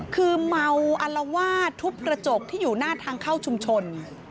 คือเมาอัลวาดทุบกระจกที่อยู่หน้าทางเข้าชุมชน